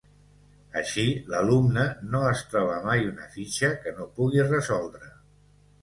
Així l'alumne no es troba mai una fitxa que no pugui resoldre.